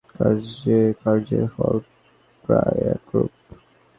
আমাদের উপর এই তিন প্রকার কার্যের ফল প্রায় একরূপ।